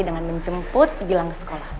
dengan menjemput hilang ke sekolah